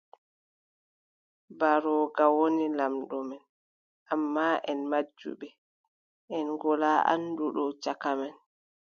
Mbarooga woni laamɗo men, ammaa, en majjuɓe, en ngolaa annduɗo caka men.